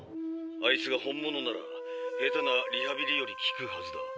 あいつが本物ならヘタなリハビリより効くはずだ。